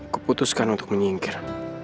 kuputuskan untuk menyingkir